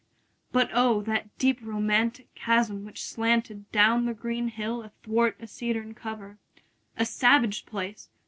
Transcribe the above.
But O, that deep romantic chasm which slanted Down the green hill athwart a cedarn cover! A savage place!